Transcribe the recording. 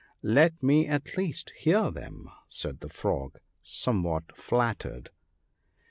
" Let me at least hear them," said the Frog, somewhat flattered.